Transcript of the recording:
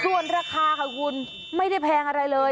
ส่วนราคาค่ะคุณไม่ได้แพงอะไรเลย